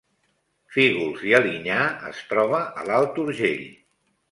Fígols i Alinyà es troba a l’Alt Urgell